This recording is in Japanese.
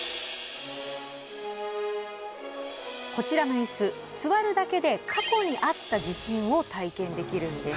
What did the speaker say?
こちらの椅子座るだけで過去にあった地震を体験できるんです。